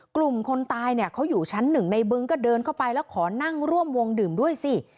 คนตายเนี่ยเขาอยู่ชั้นหนึ่งในบึงก็เดินเข้าไปแล้วขอนั่งร่วมวงดื่มด้วยสิ